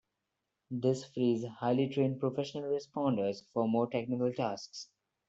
This frees highly trained professional responders for more technical tasks.